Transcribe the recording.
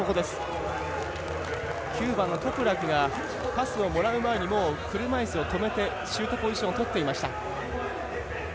９番のトプラクがパスをもらう前に車いすを止めてシュートポジションを取っていました。